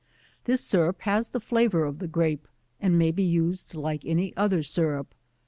This syrup has the flavor of the grape, and may be used like any other syrup.